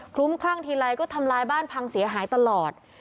ลุ้มคลั่งทีไรก็ทำลายบ้านพังเสียหายตลอด